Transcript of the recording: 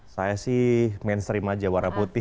saya sih mainstream aja warna putih